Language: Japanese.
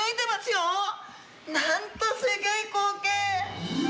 なんとすギョい光景！